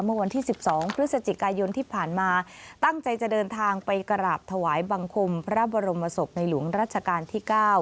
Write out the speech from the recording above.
เมื่อวันที่๑๒พฤศจิกายนที่ผ่านมาตั้งใจจะเดินทางไปกราบถวายบังคมพระบรมศพในหลวงรัชกาลที่๙